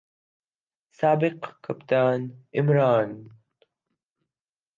سابق کپتان عمران